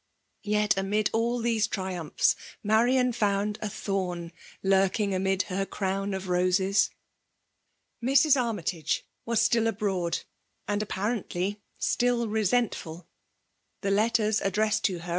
Yet amid all tliese triumphs Marian found a thorn lurking, amid her crawn of roses ! Mrs* Armytage wa« still abroad — and ap* patently still resentful. The letters addressed to. her.